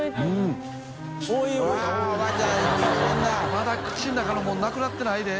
まだ口の中のものなくなってないで。